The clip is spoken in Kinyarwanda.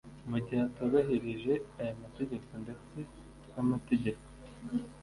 mu gihe atubahirije aya mategeko ndetse n amategeko